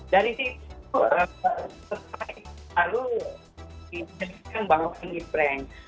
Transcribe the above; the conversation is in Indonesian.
dari situ selalu diceritakan bahwa ini prank